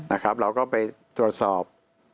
นะครับเราก็ไปตรวจสอบ